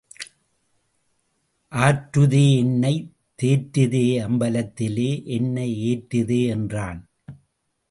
ஆற்றுதே, என்னைத் தேற்றுதே, அம்பலத்திலே என்னை ஏற்றுதே என்றான்.